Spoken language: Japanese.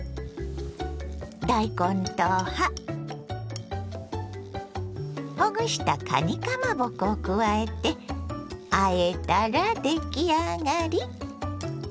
大根と葉ほぐしたかにかまぼこを加えてあえたら出来上がり。